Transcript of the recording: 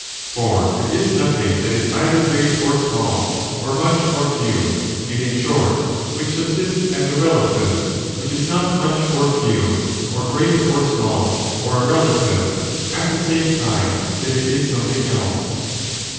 For there is nothing that is either great or small, or much or few, and, in short, which subsists as a relative, which is not much or few, or great or small, or a relative, at the same time that it is something else.